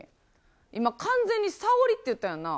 今、完全にさおりって言ったやんな。